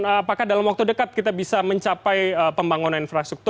apakah dalam waktu dekat kita bisa mencapai pembangunan infrastruktur